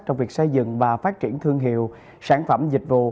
trong việc xây dựng và phát triển thương hiệu sản phẩm dịch vụ